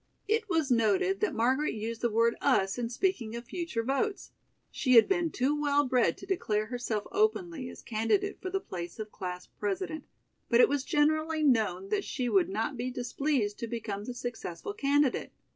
It was noted that Margaret used the word "us" in speaking of future votes. She had been too well bred to declare herself openly as candidate for the place of class president, but it was generally known that she would not be displeased to become the successful candidate.